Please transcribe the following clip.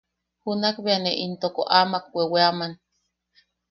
Junakbea ne intoko amak weweaman.